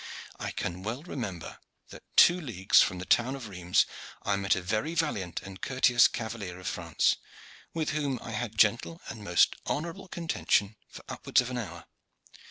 I can well remember that two leagues from the town of Rheims I met a very valiant and courteous cavalier of France, with whom I had gentle and most honorable contention for upwards of an hour.